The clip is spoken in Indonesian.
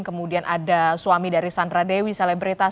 kemudian ada suami dari sandra dewi selebritas